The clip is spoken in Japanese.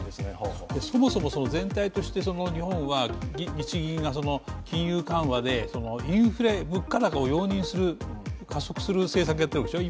そもそも全体として日本は日銀が金融緩和でインフレ、物価高を容認する、加速する政策をしているでしょ。